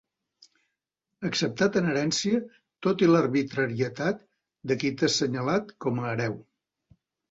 Acceptat en herència tot i l'arbitrarietat de qui t'ha assenyalat com a hereu.